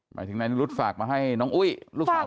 หมายถึงนายนิรุธฝากมาให้น้องอุ้ยลูกสาว